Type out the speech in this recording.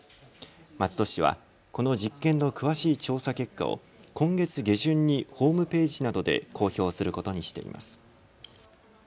松戸市はこの実験の詳しい調査結果を今月下旬にホームページなどで公表することにしています。